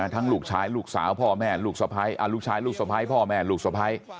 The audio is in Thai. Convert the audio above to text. ทั้งลูกชายลูกสาวพ่อแม่ลูกสภัยลูกชายลูกสภัยพ่อแม่ลูกสภัย